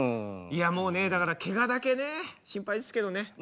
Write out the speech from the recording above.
いやもうねだからケガだけね心配ですけどね。